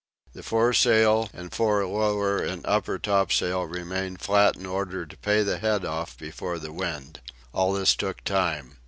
The foresail and fore lower and upper topsails remained flat in order to pay the head off before the wind. All this took time.